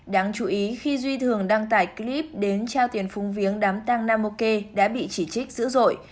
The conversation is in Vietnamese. đáng chú ý khi duy thường đăng tải clip đến trao tiền phung viếng đám tang nam ok đã bị chỉ trích dữ dội